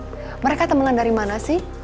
mas herman mereka temenan dari mana sih